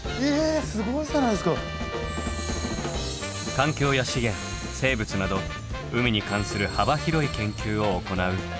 環境や資源生物など海に関する幅広い研究を行う。